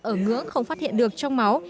ở ngưỡng không phát hiện được trong máu